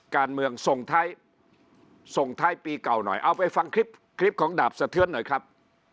การเมืองส่งท้ายส่งท้ายปีเก่าหน่อยเอาไปฟังคลิปของดาบสะเทือนหน่อยครับ